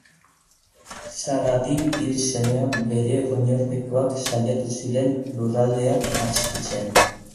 Saladin hil zenean, bere oinordekoak saiatu ziren lurraldeak atxikitzen.